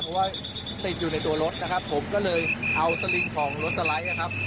เพราะว่าติดอยู่ในตัวรถนะครับผมก็เลยเอาสลิงของรถสไลด์นะครับ